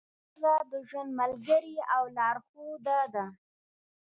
ښځه د ژوند ملګرې او لارښوده ده.